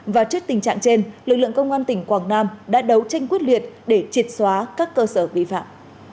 và trước tình trạng trên lực lượng công an tỉnh quảng nam đã đấu tranh quyết liệt để triệt xóa các cơ sở vi phạm